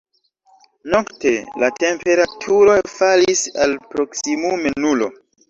Nokte la temperaturo falis al proksimume nulo.